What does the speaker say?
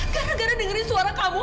gara gara dengerin suara kamu